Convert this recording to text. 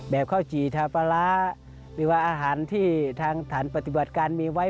ข้าวจี่ทาปลาร้ามีว่าอาหารที่ทางฐานปฏิบัติการมีไว้